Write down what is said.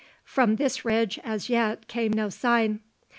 From this ridge, as yet, came no sign.